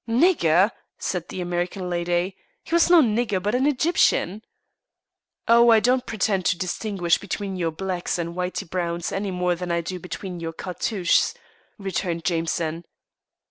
"Nigger!" said the American lady. "He was no nigger, but an Egyptian." "Oh! I don't pretend to distinguish between your blacks and whity browns any more than I do between your cartouches," returned Jameson.